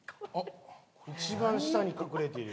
一番下に隠れている。